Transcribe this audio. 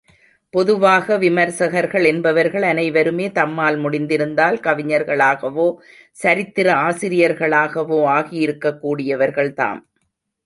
பொதுவாக, விமரிசகர்கள் என்பவர்கள் அனைவருமே தம்மால் முடிந்திருந்தால், கவிஞர்களாகவோ, சரித்திர ஆசிரியர்களாகவோ ஆகியிருக்கக்கூடியவர்கள் தாம்.